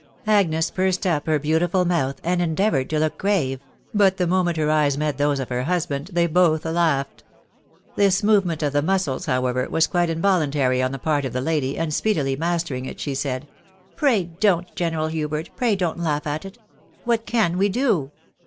Agnes pursed up her beautiful mouth, and endeavoured to look grave ; but the moment her eyes met those of her husband, they both laughed. This movement of the muscles, however, was quite involuntary on the part of the lady, and speedily mastering it, she said, "Pray don't. General Hubert, pray don't laugh at it ! What can we do